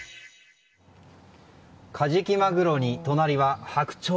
カジキマグロに隣はハクチョウ。